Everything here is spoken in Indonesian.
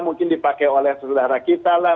mungkin dipakai oleh saudara kita lah